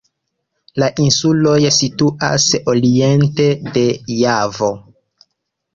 La insuloj situas oriente de Javo.